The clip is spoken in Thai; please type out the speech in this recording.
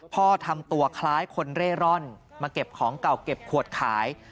ทำตัวคล้ายคนเร่ร่อนมาเก็บของเก่าเก็บขวดขาย